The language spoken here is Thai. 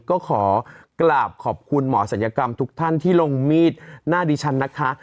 ก็ขอกราบขอบคุณหมอศัลยกรรมทุกท่านที่ลงมีดหน้าดิฉันนะคะ